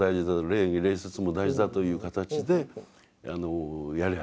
礼儀礼節も大事だという形でやり始めた。